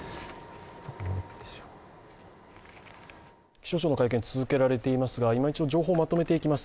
気象庁の会見続けられていますが状況、まとめていきます。